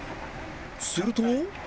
すると